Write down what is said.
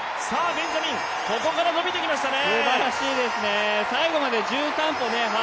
ベンジャミン、ここから伸びてきましたね。